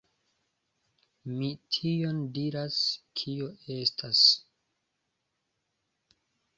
Mi tion diras, kio estas.